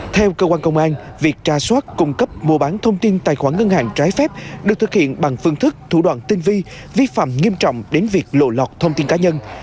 theo cơ quan công an việc tra soát cung cấp mua bán thông tin tài khoản ngân hàng trái phép được thực hiện bằng phương thức thủ đoạn tinh vi vi phạm nghiêm trọng đến việc lộ lọt thông tin cá nhân